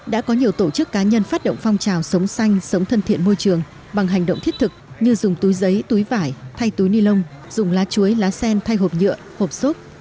đã có nhiều tổ chức cá nhân phát động phong trào sống xanh sống thân thiện môi trường bằng hành động thiết thực như dùng túi giấy túi vải thay túi ni lông dùng lá chuối lá sen thay hộp nhựa hộp xốp